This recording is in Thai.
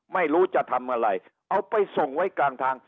ไม่รู้จะทำอะไรเอาไปส่งไว้กลางทาง